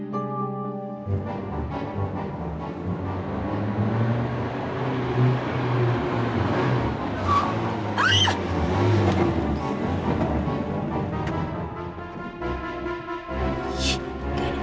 hapus guna dengar